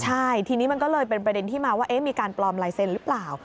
ใช่ทีนี้มันก็เลยเป็นประเด็นที่มาว่ามีการปลอมลายเซ็นต์หรือเปล่า